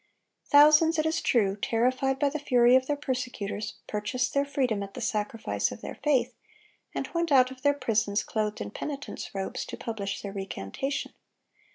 Thousands, it is true, terrified by the fury of their persecutors, purchased their freedom at the sacrifice of their faith, and went out of their prisons, clothed in penitents' robes, to publish their recantation.